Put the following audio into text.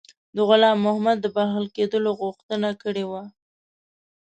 د غلام محمد د بخښل کېدلو غوښتنه کړې وه.